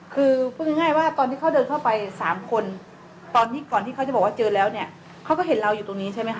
คือพูดง่ายว่าตอนที่เขาเดินเข้าไป๓คนตอนที่ก่อนที่เขาจะบอกว่าเจอแล้วเนี่ยเขาก็เห็นเราอยู่ตรงนี้ใช่ไหมคะ